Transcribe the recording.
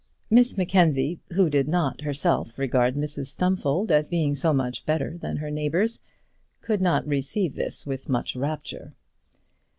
Miss Mackenzie, who did not herself regard Mrs Stumfold as being so much better than her neighbours, could not receive this with much rapture.